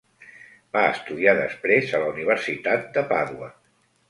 Va estudiar després a la Universitat de Pàdua.